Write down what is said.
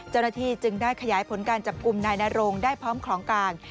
เจ้าหน้าที่จึงได้ขยายผลการจับกลุ่มนายนโรงได้พร้อมของกลาง